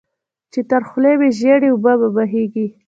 چې تر خوله مې ژېړې اوبه وبهېږي.